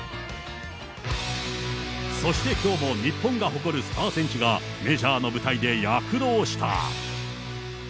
そしてきょうも日本が誇るスター選手がメジャーの舞台で躍動した。